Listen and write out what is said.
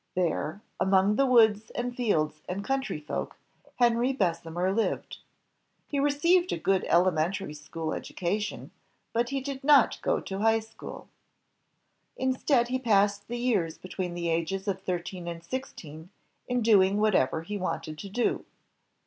There, among the woods and fields and country folk, Henry Bessemer lived. He received a good elementary school HENRY BESSEMER 167 education, but he did not go to high school. Instead, he passed the years between the ages of thirteen and sixteen in doing whatever he wanted to do.